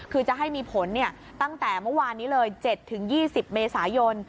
คือจะให้มีผลตั้งแต่เมื่อวานนี้เลย๗๒๐เมษายน